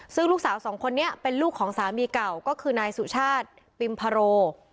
ซึ่งลูกสาวสองคนนี้เป็นลูกของสามีเก่าก็คือนายสุชาติปิมพาโร